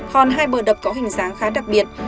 còn hai bờ đập có hình dáng khá đặc biệt